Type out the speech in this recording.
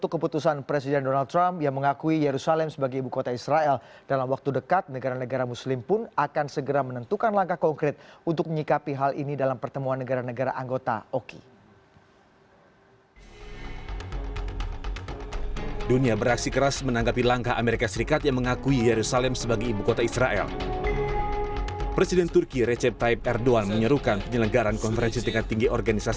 keputusan trump dinilai membahayakan warga amerika di seluruh dunia